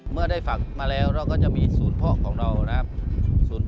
เมื่อได้ฝักมาแล้วเราก็จะมีศูนย์เพาะของเรานะครับ